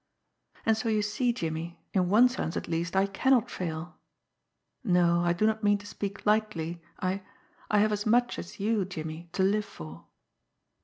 And so you see, Jimmie, in one sense at least, I cannot fail! No, I do not mean to speak lightly I I have as much as you, Jimmie to live for.